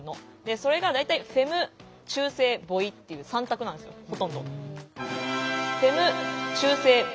それが大体「フェム」「中性」「ボイ」っていう３択なんですよほとんど。